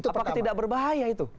apakah tidak berbahaya itu